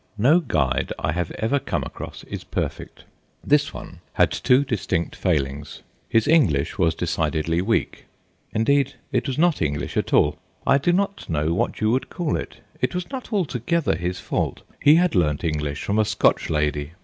No guide I have ever come across is perfect. This one had two distinct failings. His English was decidedly weak. Indeed, it was not English at all. I do not know what you would call it. It was not altogether his fault; he had learnt English from a Scotch lady.